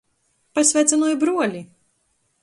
Pasveicynoj bruoli!